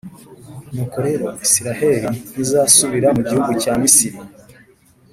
Nuko rero, Israheli ntizasubira mu gihugu cya Misiri,